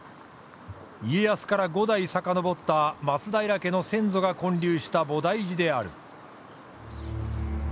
家康から５代遡った松平家の先祖が建立した菩提寺である。